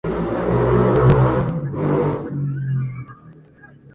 El uso actual de la palabra es reciente y su significado primario ha cambiado.